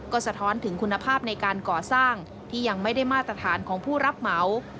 ก็สะท้อนถึงคุณภาพในการก่อสร้างที่ยังไม่ได้มาตรฐานของผู้รับเหมา